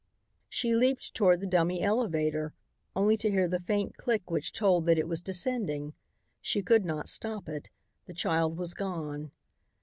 She leaped toward the dummy elevator, only to hear the faint click which told that it was descending. She could not stop it. The child was gone.